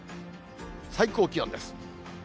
最高気温です。